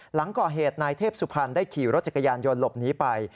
หลังก่อเหตุนายเทพสุพรรณได้ขี่รถจักรยานยนต์หลบหนีไป